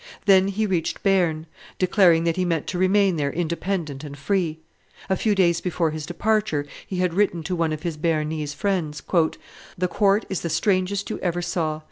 Then he reached Bearn, declaring that he meant to remain there independent and free. A few days before his departure he had written to one of his Bearnese friends, "The court is the strangest you ever saw.